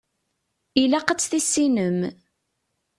Ilaq ad tt-tissinem.